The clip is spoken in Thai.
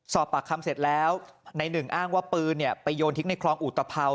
สอบปากคำเสร็จแล้วในหนึ่งอ้างว่าปืนไปโยนทิ้งในคลองอุตภัว